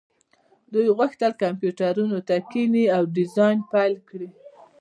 دوی غوښتل کمپیوټرونو ته کښیني او ډیزاین پیل کړي